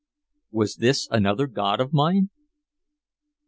Was this another god of mine?